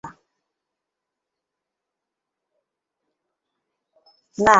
না, এ চ্যালেঞ্জে হার মানা চলবে না।